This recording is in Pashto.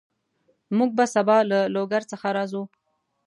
موږ به سبا له لوګر څخه راځو